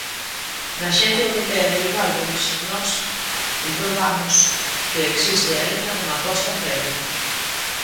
Na Axencia Europea de Bivalvos nós comprobamos que existe aínda unha aposta feble.